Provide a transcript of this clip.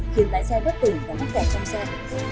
khiến đại xe bất tỉnh và mất kẻ trong xe